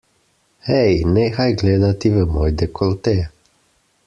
Hej, nehaj gledati v moj dekolte!